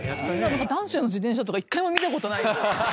男子の自転車とか１回も見たことないですよ。